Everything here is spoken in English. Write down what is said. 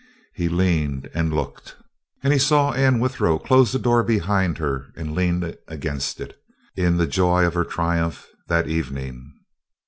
He leaned and looked, and he saw Anne Withero close the door behind her and lean against it. In the joy of her triumph that evening?